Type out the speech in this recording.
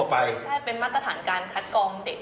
ใช่เป็นมาตรฐานการคัดกองเด็ก